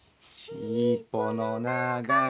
「しっぽのながい」